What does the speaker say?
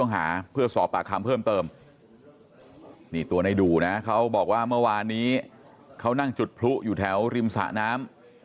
ต้องหาเพื่อสอบปากคำเพิ่มเติมนี่ตัวในดูนะเขาบอกว่าเมื่อวานนี้เขานั่งจุดพลุอยู่แถวริมสะน้ำ